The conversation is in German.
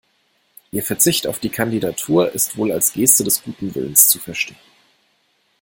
Ihr Verzicht auf die Kandidatur ist wohl als Geste des guten Willens zu verstehen.